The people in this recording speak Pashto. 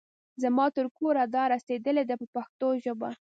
زما تر کوره را رسېدلي دي په پښتو ژبه.